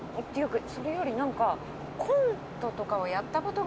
それより何か。